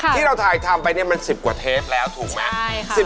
ที่เราถ่ายทำไปเนี่ยมัน๑๐กว่าเทปแล้วถูกไหม